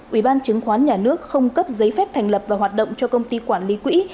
ủy ban chứng khoán nhà nước không cấp giấy phép thành lập và hoạt động cho công ty quản lý quỹ